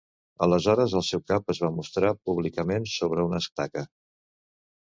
Aleshores, el seu cap es va mostrar públicament sobre una estaca.